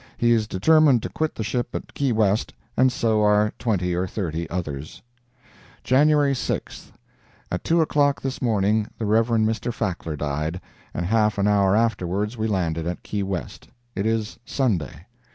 He is determined to quit the ship at Key West, and so are twenty or thirty others." JANUARY 6th.—At two o'clock this morning, the Rev. Mr. Fackler died, and half an hour afterwards we landed at Key West. It is Sunday.